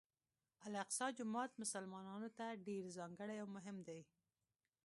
الاقصی جومات مسلمانانو ته ډېر ځانګړی او مهم دی.